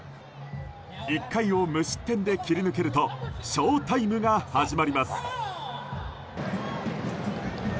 １回を無失点で切り抜けるとショウタイムが始まります。